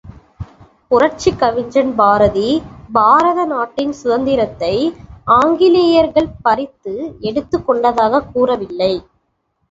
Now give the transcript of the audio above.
புரட்சிக் கவிஞன் பாரதி, பாரத நாட்டின் சுதந்திரத்தை ஆங்கிலேயர்கள் பறித்து எடுத்துக் கொண்டதாகக் கூறவில்லை.